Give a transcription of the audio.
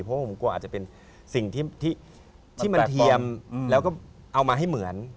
เพราะผมกลัวอาจจะเป็นสิ่งที่มันเทียมแล้วก็เอามาให้เหมือน